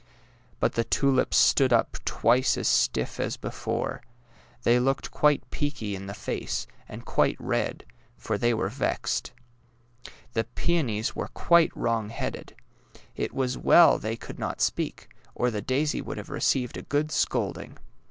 But the tulips stood up twice as stiff as THE DAISY 193 before. They looked quite peaky in the face, and quite red, for they were vexed. The peonies were quite wrong headed. It was well they could not speak, or the daisy would have received a good scolding.